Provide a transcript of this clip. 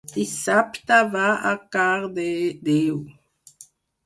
Dissabte va a Cardedeu.